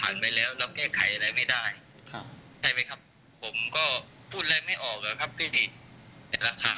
อาจจะเป็นเพราะหายใจไม่ไหวแล้วน่าจะเป็นการเข้าใจผิดมากกว่า